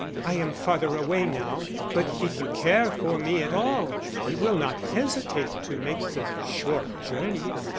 I am farther away now, but if you care for me at all you will not hesitate to make the short journey.